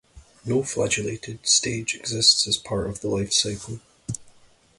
No flagellated stage exists as part of the life cycle.